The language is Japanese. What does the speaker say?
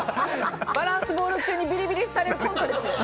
バランスボール中にビリビリされるコントですよ！